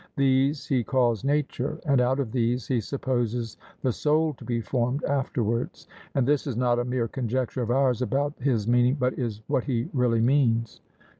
these he calls nature, and out of these he supposes the soul to be formed afterwards; and this is not a mere conjecture of ours about his meaning, but is what he really means.